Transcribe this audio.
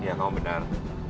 ya kamu benar